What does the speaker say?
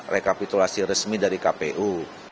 rekapitulasi resmi dari kpu